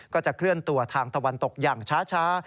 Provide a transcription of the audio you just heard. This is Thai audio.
ก็จะเคลื่อนตัวทางตะวันตกอย่างช้า